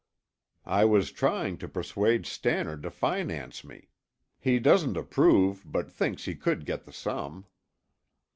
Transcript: "I was trying to persuade Stannard to finance me. He doesn't approve, but thinks he could get the sum."